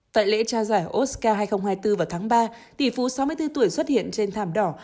tại lễ trao giải oscar hai nghìn hai mươi bốn vào tháng ba tỷ phú sáu mươi bốn tuổi xuất hiện trên thảm đỏ